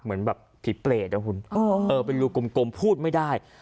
เหมือนแบบผีเปรตนะคุณเออเออเป็นรูปกลมกลมพูดไม่ได้